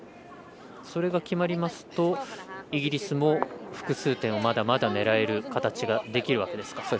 それが決まりますとイギリスも複数点をまだまだ狙える形ができるわけですか。